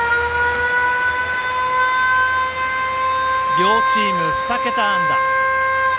両チーム２桁安打。